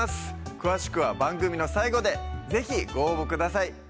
詳しくは番組の最後で是非ご応募ください